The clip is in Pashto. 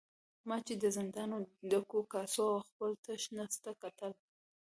ما چې د زندان ډکو کاسو او خپل تش نس ته کتل.